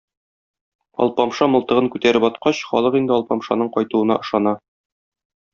Алпамша мылтыгын күтәреп аткач, халык инде Алпамшаның кайтуына ышана.